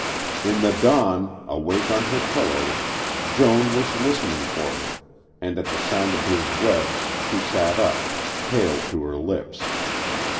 In the dawn, awake on her pillows, Joan was listening for him, and at the sound of his webs she sat up, pale to her lips.